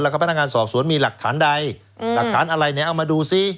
แล้วก็พนักงานสอบสวนมีหลักฐานใดหลักฐานอะไรเนี่ยเอามาดูซิ